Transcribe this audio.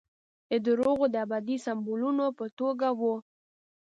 د درواغو د ابدي سمبولونو په توګه وو.